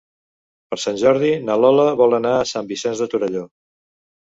Per Sant Jordi na Lola vol anar a Sant Vicenç de Torelló.